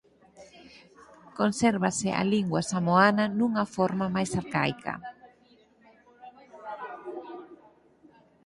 Consérvase a lingua samoana nunha forma máis arcaica.